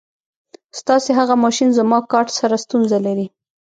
ستاسې هغه ماشین زما کارټ سره ستونزه لري.